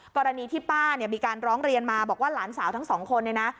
กรณีที่ป้าเนี่ยมีการร้องเรียนมาบอกว่าหลานสาวทั้งสองคนเนี่ยนะ